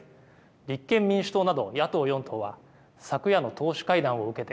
立憲民主党など野党４党は昨夜の党首会談を受けて